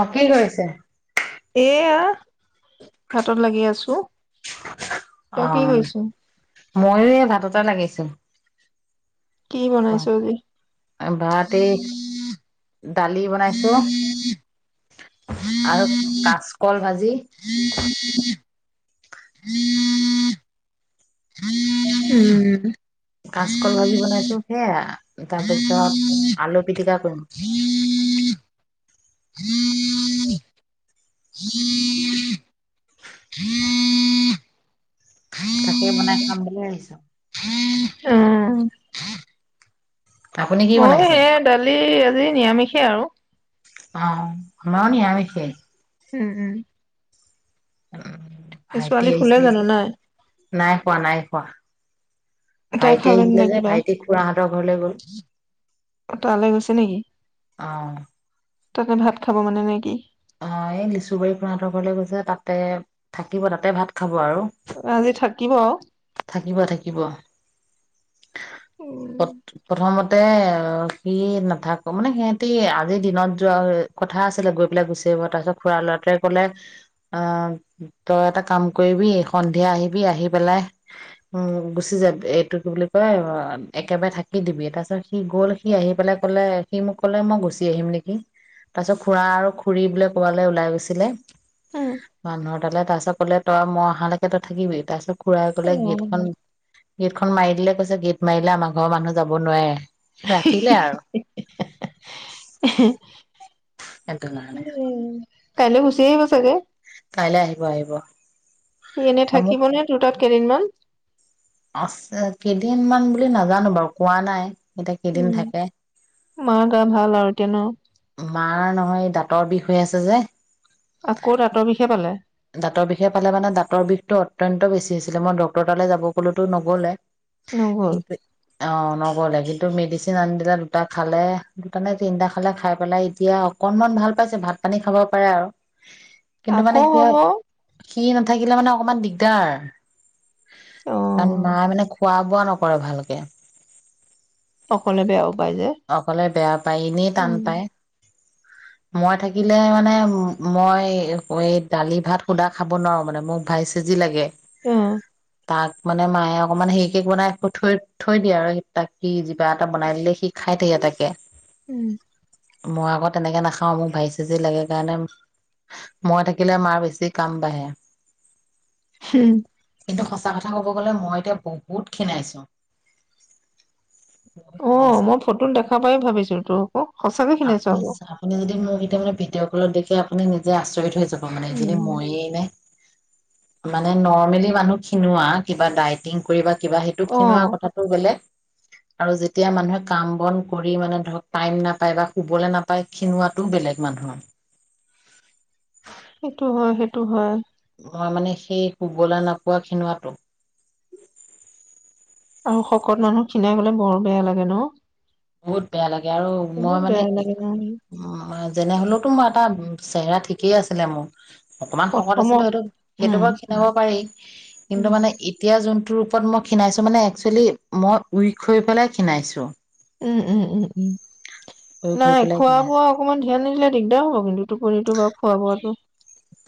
অ কি কৰিছে? এয়া ভাতত লাগি আছো। তই অ কি কৈ'ছ? ময়ো এই ভাততে লাগিছো। কি বনাইছ ভাত আজি ভাত এই দালি বনাইছো। আৰু কাচকল ভাজি। উম। কাচকল ভাজি বনাইছো সেয়েয়া তাৰপিছত আলু পিটিকা কৰিম। উম। তাকেই বনাই খাম বুলি আহিছো। উম আপুনি কি বনাইছে। সেয়াই দালি আৰু আজি নিৰামিষে আৰু অ আমাৰ নিৰামিষে। উম উম। উম এই ভাইটি ছোৱালী শুলে আহিছিলে জানো যে, নাই নাই খোৱা নাই খোৱা [inaudible] তাই ভাইটি খালে আহিছিলে নে যে, কিবা ভাইটি খুৰাহতৰ ঘৰলৈ গল [inaudible] তালৈ গৈছে নেকি অহ তাতে ভাত খাব মানে নে কি? অ এই লিচুবাৰী খুৰাহতৰ ঘৰলৈ গৈছে তাতে থাকিব তাতে ভাত খাব আজি থাকিব আৰু [unintelligible] [inaudible] থাকিব থাকিব উম পত প্ৰথমত তে অ সি নাথাকো মানে সিহতি আজিৰ দিনত যোৱা কথা আছিলে গৈ পিলে গুচি আহিব তাৰপিছত খুৰাৰ লৰাটোৱে কলে অহ তই এটা কাম কৰিবি সন্ধিয়া আহিবি আহি পেলাই উম গুচি যাবি। এইটো কি বুলি কয় অ একেবাৰে থাকি দিবি। তাৰপিছত সি গ'ল সি আহি পেলাই ক'লে সি মোক ক'লে মই গুচি আহিম নেকি, তাৰপিছত খুৰা আৰু খুৰী বোলে ক'বালৈ ওলাই গৈছিলে [unintelligible] উম। [unintelligible] তাৰপিছত ক'লে তই মই অহালৈকেই তই থাকিবি তাৰ পিছত খুড়াই ক'লে গেটখন গেটখন মাৰি দিলে কৈছে গেট মাৰিলে আমাৰ ঘৰৰ মানুহ যাব নোৱাৰে। ৰাখিলে আৰু [unintelligible] সেইটো কাৰণে উমম। কাইলৈ গুচি আহিব চাগে। কাইলৈ আহিব আহিব। সি এনে থাকিব নে দুটাত কেইদিনমান। আছে কেইদিন মান বুলি নাজানো বাৰু কোৱা নাই। এতিয়া কেইদিন উম, থাকে মাৰ গা ভাল আৰু এতিয়া ন। মাৰ নহয় দাঁতৰ বিষ হৈ আছে যে। আকৌ দাঁতৰ বিষে পালে। দাঁতৰ বিষে পালে মানে দাঁতৰ বিষটো অত্যন্ত বেছি হৈছিলে মই ডক্টৰৰ তালৈ যাব ক'লোতো নগ'লে। নগল [unintelligible] অ, ন [unintelligible] মেডিচিন আন দিলে দুটা খালে, দুটা নে তিনটা খালে খাই পেলাই এতিয়া অকনমান ভাল পাইছে ভাত পানী খাব পাৰে আৰু। কিন্তু মানে আকৌ কি হব। হয় সি নাথাকিলে মানে অকমান দিগদাৰ। কাৰণ অ', মা মানে খোৱা ৱোৱা নকৰে ভালকে। অকলে বেয়াও পাই যে। অকলে বেয়া পায় এনেই টান উম, পায়। মই থাকিলে মানে ম মই এই দালি ভাত শুধা খাব নোৱাৰোঁ মানে মোক ভাই চেজি লাগে। উম। তাক মানে মায়ে অকমান হেৰিকে বনাই থৈ থৈ দিয়ে আৰু তাক সি [unintelligible] এটা বনাই দিলে সি খাই তাকে। উম। মই আকৌ তেনেকে নাখাও মোক ভাজি চাজি লাগে কাৰণে, মই থাকিলে মাৰ বেছি তে কাম বাঢ়ে। হম। কিন্তু সঁচা কথা ক'ব গ'লে মই এতিয়া বহুত খিনাইছো। বহুত অ', খিনাইছা, মই ফটোত দেখা পাই ভাবিছো তোৰ আকৌ সঁচাকে খিনাইছো আপনি আকৌ। আপুনি যদি মোক এতিয়া মানে ভিডিঅ' কলত দেখে নিজে আচৰি হৈ যাও উম, এনে মইয়ে নে। মানে নৰ্মেলি মানুহ খিনোৱা কিবা ডায়েটিং কৰিবা কিবা সেইটো খিনোৱা অ', কথাটো বেলেগ। আৰু যেতিয়া মানুহে কাম বন কৰি মানে ধৰক টাইম নাপায় বা শুবলৈ নাপায় খিনোৱাটো বেলেগ মানুহৰ সেইটো হয় সেইটো হয় মই মানে সেই শুবলে নোপোৱা খিনোৱাটো আৰু শকত মানুহ খিনাই গলে বৰ বেয়া লাগে ন বহুত বেয়া লাগে আৰু মই বহুত মানে বেয়া লাগে ন? উ যেনে হলেওতো মই এটা চেহেৰা ঠিকেই আছিলে মোৰ অকমান শকত আছিলো প্ৰথমত সেইটো উম, সেইটো বাৰু খিনাব পাৰি কিন্তু উম, মানে এতিয়া জোনটো গ্ৰুপত মই খিনাইছো মানে একচুৱেলি মই উইক হৈ পেলাই খিনাইছো উম উম উম উম উইক হৈ নাই পেলাই খোৱা ক্ষীণাইছো বোৱা অকমান ধ্যান দিলে দিগদাৰ হ'ব কিন্তু টোপনিটো বাৰু খোৱা বোৱাটো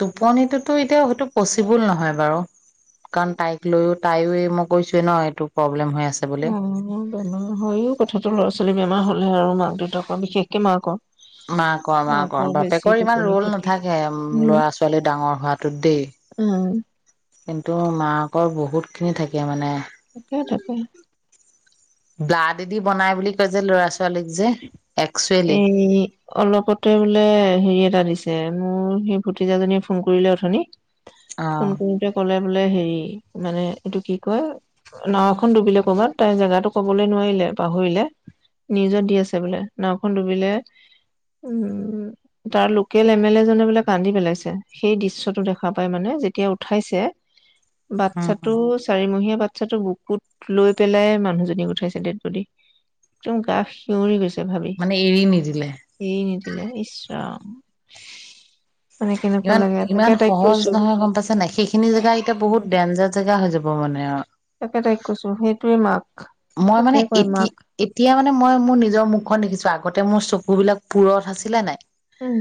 টোপনিটোতো এতিয়া হইটো পচিবল নহয় বাৰু কাৰণ তাইক লৈও তাইও এই মই কৈছোৱে ন এইটো প্ৰব্লেম হৈ আছে বুলি অ বেমাৰ হয় ও কথাটো ল'ৰা ছোৱালী বেমাৰ হ'ল আৰু মাক দেউতাকৰ বিশেষকে মাকৰ মাকৰ মাকৰ বেছি বাপেকৰ ইমান টোপনি ৰোল ক্ষতি নাথাকে উম লৰা ছোৱালী ডাঙৰ হোৱাটোত দেই উম কিন্তু মাক সিহঁতৰ বহুতখিনি থাকে মানে থাকে থাকে ব্লাডদি বনাই বুলি কয় যে ল'ৰা ছোৱালীক যে একচুৱেলি এই অলপতে বোলে হেৰিয়ে জা দিছে মোৰ সেই ভতিজাজনীয়ে ফোন কৰিলে অথনি অ ফোন কৰোতে ক'লে বোলে হেৰি মানে এইটো কি কয় নাওখন ডুবিলে ক'বাত তাই জেগাটো কবলৈ নোৱাৰিলে পাহৰিলে নিউজত দি আছে বোলে নাওখন ডুবিলে উম তাৰ লোকেল এম এল এ জনে বোলে কান্দি পেলাইছে সেই দৃশ্যটো দেখা পাই মানে যেতিয়া উঠাইছে উম বাচ্ছাটো চাৰিমহীয়া বাচ্ছাটো বুকুত লৈ পেলাই মানুহজনীক উঠাইছে ডেডবডি একদম গা শিঞৰি গৈছে তে ভাবি মানে এৰি নিদিলে এৰি নিদিলে ইস ৰাম উ [inaudible] ইমান ইমান সহজ নহয় গম পাইছে নে নাই সেইখিনি জেগা এতিয়া বহুত ডেঞ্জাৰ জেগা হৈ যাব মানে অ তাকে তাইক কৈছো সেইটোৱে মাক মই তাকে মানে কয় এতিয়া মাক এতিয়া মানে মই মোৰ নিজৰ মুখখন দেখিছো আগ আগতে মোৰ চকু বিলাক পুৰঠ আছিলে নাই। উম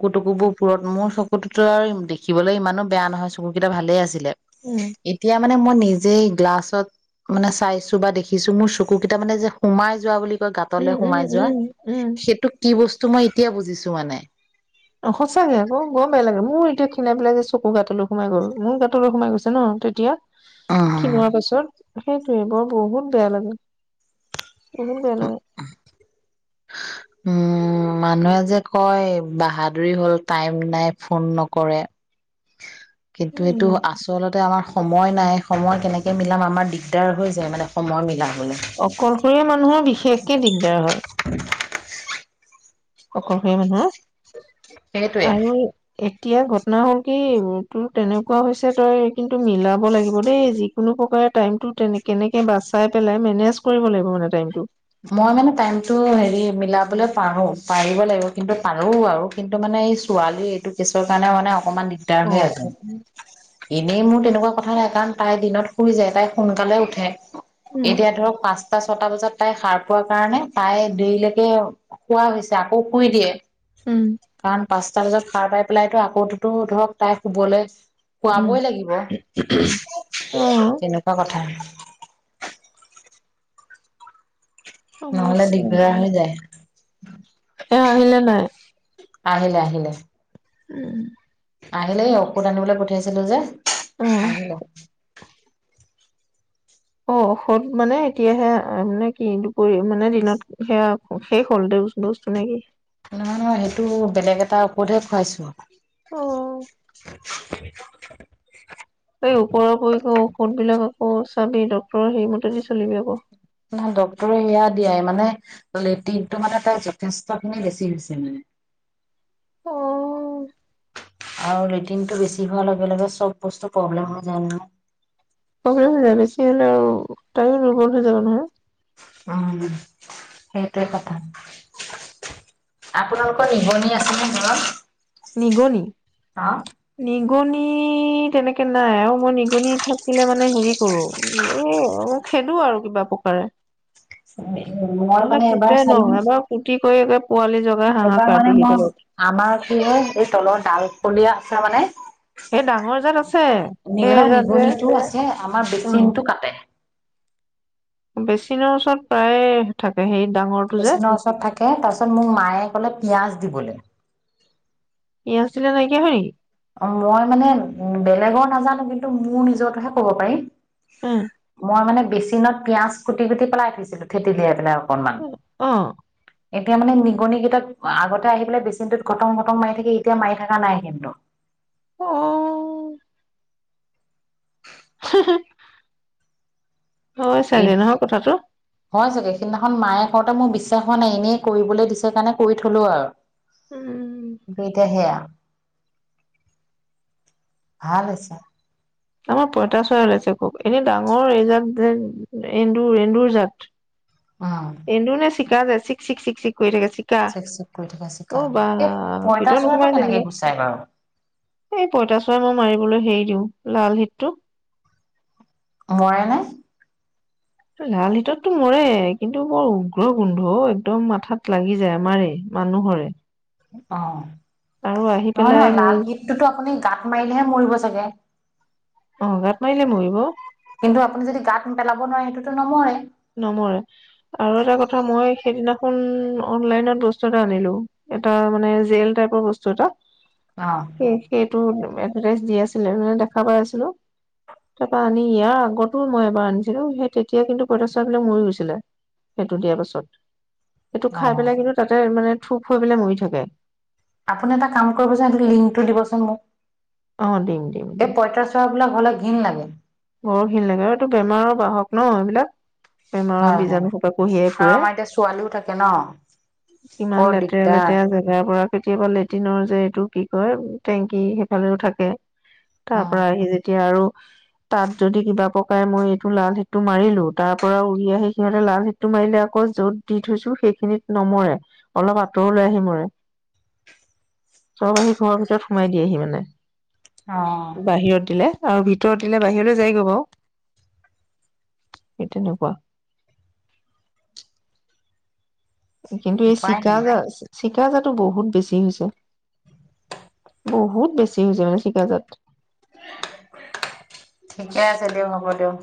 চকু টকুবোৰ ফুৰৰত মোৰ চকুটোতো আৰু দেখিবলৈ ইমানো বেয়া নহয় চকুকেইটা ভালেই আছিল উম এতিয়া মানে মই নিজে গ্লাছত মানে চাইছোঁ বা দেখিছোঁ দিছো মোৰ চকুকেইটা মানে যে সোমাই যোৱা বুলি উম গাতলে উম সোমাই যোৱা উম উম সেইটো কি বস্তু ত মই এতিয়া বুজিছো মানে অ সঁচাকে আকৌ বৰ বেয়া লাগে মোৰ এতিয়া খীনাই পেলাই যে চকু গাঁটোলৈ সোমাই গ'ল মোৰ গাঁটোলৈ সোমাই গৈছে ন তেতিয়া অ ক্ষীণোৱা পাছত। সেইটোয়ে বৰ বহুত বেয়া লাগে বু [unintelligible] উম মানুহে যে কয় বাহাদুৰী হল টাইম নাই ফোন নকৰে কিন্তু এইটো উম আচলতে আমাৰ সময় নাই সময় কেনেকৈ মিলাম আমাৰ দিগদাৰ হৈ যায় মানে সময় মিলাম অকলশৰীয়া মানুহৰ বিশেষ একে দিগদাৰ হয়। অকলশৰীয়া মানুহ সেইটোৱে আৰু এতিয়া ঘটনা হ'ল কি তোৰ তেনেকুৱা হৈছে তই কিন্তু মিলাব লাগিব দেই যিকোনো প্ৰকাৰে টাইমতটো তেনে কেনেকে বাচাই পেলাই মেনেজ কৰিব লাগিব মানে টাইমটো মই মানে টাইমতটো হেৰি মিলাবলৈ পাৰো পাৰিব লাগিব কিন্তু পাৰো আৰু কিন্তু মানে এই ছোৱালী এইটো কেছৰ কাৰণে মানে অকমান দিগদাৰ হৈ অ', আজ অ'। এনেই মোৰ তেনেকুৱা কথা নাই কাৰণ তাই দিনত শুৰি যায় তাই সোনকালে উঠে উম এতিয়া ধৰক পাঁচ টা ছটা বজাত তাই সাৰ পোৱা কাৰণে তাই দেৰিলৈকে শুবা হৈছে আকৌ শুই দিয়ে উম। পচতা‌ বজাত সাৰ পাই পেলাইতো আকৌতো ধৰক তাই শুবলৈ উম শুৱাবই লাগিব আহ। তেনেকুৱা [unintelligible] নহলে সমস্যা দিগদাৰ হয় যায়। এ আহিলে নাই আহিল আহিল উম আহিলেই ঔষধ আনিবলৈ পঠিয়াইছিলো যে। অ', আহিলে অ ঔষধ মানে এতিয়াহে মানে কি, দুপৰী মানে দিনত সেয়া শেষ হ'ল দে [unintelligible] নে কি। নহয় নহয়, সেইটো বেলেগ এটা ঔষধহে খুৱাইছো। [inaudible] [inaudible] অ', এই ওপৰা উপৰি কৈ ঔষধ বিলাকত অ চাবি ডক্তৰৰ সেই মতেদি চলিবি আকৌ। নহয় ডক্তৰে সেয়া দিয়াই মানে, লেটিটো মানে তাৰ যথেষ্ট খিনি বেছি হৈছে মানে। অঁ আৰু লেট্ৰিনটো বেছি হোৱাৰ লগে লগে চব বস্তু প্ৰব্লেম হৈ যায় নহয়। প্ৰব্লেম হৈ যায় বেছি হলে আৰু তয়ো দুৰ্বল হৈ যাবি নহয়। উম সেইটোৱে কথা। আপোনালোকৰ নিগনি আছে নে ঘৰত? নিগনি, অ নিগনি ই তেনেকে নাই আৰু মই নিগনি থাকিলে মানে হেৰি কৰো, এ ম খেদো আৰু কিবা প্ৰকাৰে। মই নহ'লে মানে কুটে এবাৰ ন চালো, এবাৰ কুটি কৰি একে পোৱালি জগাই এবাৰ হাহাকাৰটো মানে দি মই থাকে আমাৰ কি হয় এই তলৰ ডাল পলিয়া আছে মানে সেই ডাঙৰ জাত আছে সেই এজাত যে নিগ-নিগলিতটো আছে আমাৰ বেচিনটো কাটে। বেছিনৰ ওচৰত প্ৰায়ে থাক বেচিনৰ ওচৰত থাকে, তাৰ পিছত মোৰ মায়ে ক'লে পিঁয়াজ িবোলে পিয়াঁজ দিলে নাইকিয়া হয় নেকি? অঁ মই মানে বেলেগৰ নাজানো কিন্তু মোৰ নিজৰতোহে কব পাৰিম। উ মই মানে বেচিনত পিঁয়াজ কুটি-কুটি পেলাইঠছিলোঁ থেটিলিয়াই পেলাই অক অঁ এতিয়া মানে নিগনি কেইটাক আগতে আহি পেলাই বেছিনটোত কটং-কটং মাৰি থাকি এতিয়া মাৰি থাকা নাই কিন্তু। অঁ হ হ হয় এই চাগে, নহয় কথাটো? হয় চাগে সিদিনাখন মায়ে কওঁতে মোৰ বিশ্বাস হোৱা নাই এনেই কৰিবলৈ দিছে কাৰণে কৰি থলো উম আৰু। বিধে সেয়া ভাল আছা আমাৰ পঁইতাচৰা ওলাইছে খুব এনে ডাঙৰ এইজাত যে, এন্দুৰ এন্দুৰ জাত। উম এন্দুৰ নে চিক চিকা যে চিক্ চিক্ চিক্ চিক্ কৰি থাকে চিকা। চেক চেক কৰি থকা চিকা অঁ বা, এই ভিতৰত পঁইতাচোৰাটো নোসোমাই কেনেকে যেনিবা। গুচাই বাৰু এই পইতাচোৰা মই মাৰিবলৈ হেৰি দিওঁ, লাল হেটটো। মৰে নে? লাল হিততটো মৰে কিন্তু বৰ উগ্ৰ গোন্ধ একদম মাথাত লাগি যায় মাৰে মানুহৰে। অ। আৰু আহি পেলাই মোৰ তাত মাৰিলেহে মৰিব চাগে? অ গাত মাৰিলে মৰিব। কিন্তু আপুনি যদি গাত পেলাব নোৱাৰে সেইটোতো নমৰে। নমৰে আৰু এটা কথা মই সেইদিনাখন অনলাইনত বস্তু এটা আনিলো, এটা মানে জেল টাইপৰ বস্তু এটা। অ সেই সেইটো এডাৰচ দি আছে মানে দেখা পাই আছিলো তাৰ পা আনি ইয়াৰ আগতো মই এবাৰ আনিছিলো সেই তেতিয়া কিন্তু তাৰপিছত বেলাক মৰি গৈছিলে সেইটো দিয়াৰ পাছত। সেইটো অ খাই পেলাই কিন্তু তাতে মানে থোপ হৈ পেলাই মৰি থাকে। আপুনি এটা কাম কৰিবচোন আপুনি লিংকটো দিবচোন অ দিম দিম মোক। এই দিম পইতাচৰাবিলাক হলে ঘিণ লাগে। বৰ ঘিণ লাগে আৰু এইটো বেমাৰৰ বাহক ন' এইবিলাক বেমাৰৰ হয় হয় বীজাণু সোপা কঢ়িয়াই আৰু ফুৰে আমাৰ এতিয়া ছোৱালীও থাকে ন বৰ ইমান লেতেৰা দিগদাৰ লেতেৰা জেগা অ', কেতিয়াবা লেট্ৰিনৰ যে এইটো কি কয় টেংকি সেইফালেও থাকে। অ তাৰ পৰা আহি যেতিয়া আৰু তাত যদি কিবা পকাই মই এইটো লাল হিতটো মাৰিলো তাৰ পৰা উৰি আহি সিহঁতে লাল হিটটো মাৰিলে আকৌ যত দি থৈছো সেইখিনিত নমৰে অলপ আঁতৰলৈ আহি মৰে চব আহি ঘৰৰ ভিতৰত সোমাই দিয়েহি মানে। অ বাহিৰত দিলে আৰু ভিতৰতে বাহিৰলৈ যাইগৈ বাৰু সেই তেনেকুৱা। কিন্তু এই উপায় চিকা নাই যে চিকাজাটো বহুত বেছি হৈছে। বহুত বেছি হৈছে মানে চিকাজাত। ঠিকে আছে দিয়ক হ'ব দিয়ক।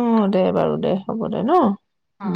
অ', দে বাৰু দে হ'ব দে ন'। অ। উম